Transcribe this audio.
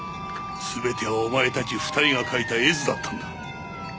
全てはお前たち２人が描いた絵図だったんだ。